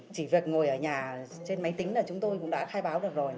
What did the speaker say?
chỉ việc ngồi ở nhà trên máy tính là chúng tôi cũng đã khai báo được rồi